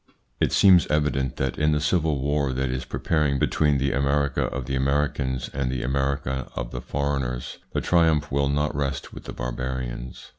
It seems evident that in the civil war that is preparing between the America of the Americans and the America of the foreigners, the triumph will not rest with the barbarians.